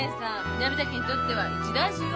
南田家にとっては一大事よ。